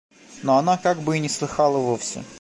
Но она как бы и не слыхала вовсе.